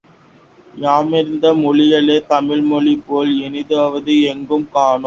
யாமறிந்த மொழிகளிலே தமிழ்மொழி போல் இனிதாவது எங்கும் காணோம்